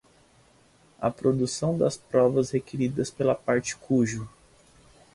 a produção das provas requeridas pela parte cujo